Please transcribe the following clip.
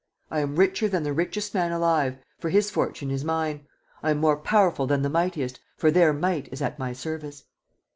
I am richer than the richest man alive, for his fortune is mine. ... I am more powerful than the mightiest, for their might is at my service!"